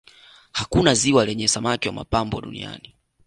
hakuna ziwa lenye samaki wa mapambo duniani